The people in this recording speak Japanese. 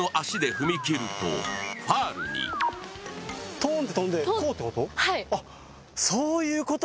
トーンって飛んで、こうってこと？